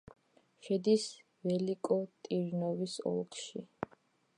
შედის ველიკო-ტირნოვოს ოლქში.